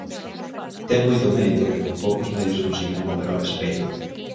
Ten moito mérito que con poucos medios conseguiran mover o avespeiro.